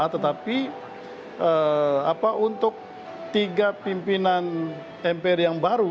tetapi untuk tiga pimpinan mpr yang baru